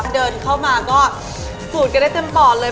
เดินเข้ามาก็สูดกันได้เต็มปอดเลย